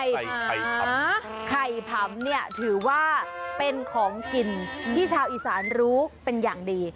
ไข่ผำไข่ผำเนี่ยถือว่าเป็นของกินที่ชาวอีสานรู้เป็นอย่างดี